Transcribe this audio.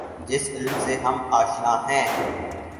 جس علم سے ہم آشنا ہیں۔